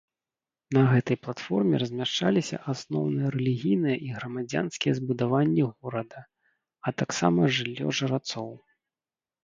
На гэтай платформе размяшчаліся асноўныя рэлігійныя і грамадзянскія збудаванні горада, а таксама жыллё жрацоў.